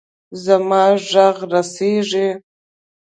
زما ږغ رسیږي.